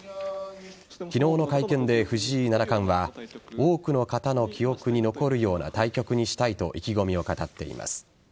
昨日の会見で、藤井七冠は多くの方の記憶に残るような対局にしたいと意気込みを語っています。